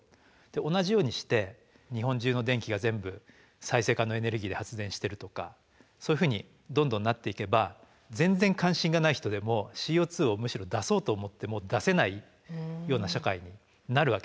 同じようにして日本中の電気が全部再生可能エネルギーで発電してるとかそういうふうにどんどんなっていけば全然関心がない人でもＣＯをむしろ出そうと思っても出せないような社会になるわけですよね。